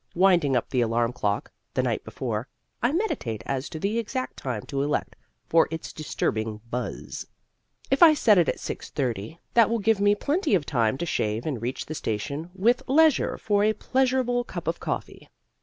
Winding up the alarm clock (the night before) I meditate as to the exact time to elect for its disturbing buzz. If I set it at 6:30 that will give me plenty of time to shave and reach the station with leisure for a pleasurable cup of coffee.